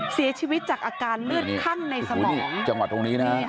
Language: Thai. เสียชีวิตจากอาการเลือดขั้งในสมอง